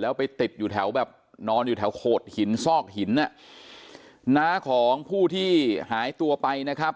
แล้วไปติดอยู่แถวแบบนอนอยู่แถวโขดหินซอกหินอ่ะน้าของผู้ที่หายตัวไปนะครับ